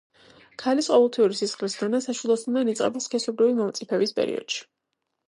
ქალის ყოველთვიური სისხლის დენა საშვილოსნოდან იწყება სქესობრივი მომწიფების პერიოდში.